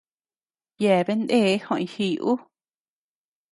Yeabean ndee joʼoy jiy ú.